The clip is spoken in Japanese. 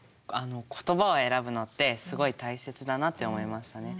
言葉を選ぶのってすごい大切だなって思いましたね。